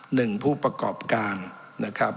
หนึ่งผู้ประกอบการนะครับ